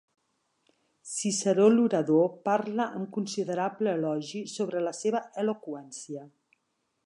Ciceró l’orador parla amb considerable elogi sobre la seva eloqüència.